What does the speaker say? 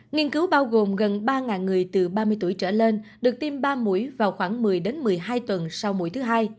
nghiên cứu bao gồm gần ba người từ ba mươi tuổi trở lên được tiêm ba mũi vào khoảng một mươi một mươi hai tuần sau mũi thứ hai